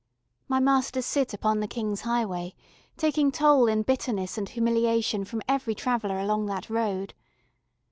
My Masters sit upon the King's Highway, taking toll in bitterness and humiliation from every traveller along that road.